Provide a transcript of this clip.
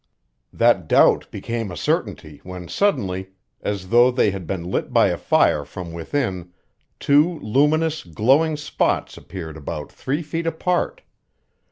That doubt became a certainty when suddenly, as though they had been lit by a fire from within, two luminous, glowing spots appeared about three feet apart.